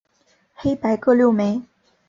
黑白各六枚。